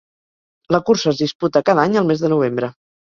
La cursa es disputa cada any al mes de novembre.